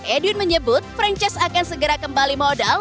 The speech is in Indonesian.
edwin menyebut franchise akan segera kembali modal